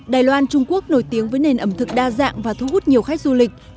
đài loan trung quốc nổi tiếng với nền ẩm thực đa dạng và thu hút nhiều khách du lịch